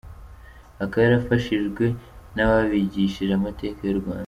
Akaba yarafashijwe n’ababigishije amateka y’u Rwanda.